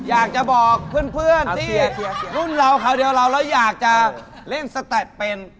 อยากจะบอกเพื่อนที่รุ่นเราคราวเดียวเราแล้วอยากจะเล่นสแตปเป็น